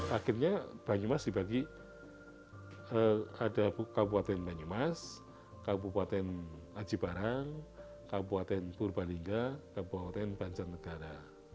akhirnya banyumas dibagi ada kabupaten banyumas kabupaten aji barang kabupaten purbalingga kabupaten banjarnegara